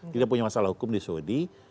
tidak punya masalah hukum di saudi